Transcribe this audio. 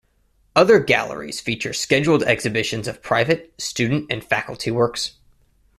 Other galleries feature scheduled exhibitions of private, student, and faculty works.